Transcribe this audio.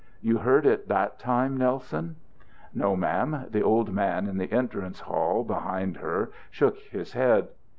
"You heard it that time, Nelson?" "No, ma'am." The old man in the entrance hall behind her shook his head.